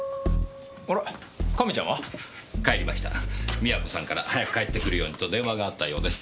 美和子さんから早く帰ってくるようにと電話があったようです。